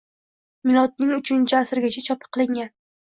milodning uchinchi asrigacha chop qilingan